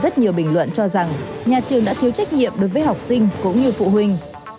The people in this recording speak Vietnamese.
rất nhiều bình luận cho rằng nhà trường đã thiếu trách nhiệm đối với học sinh cũng như phụ huynh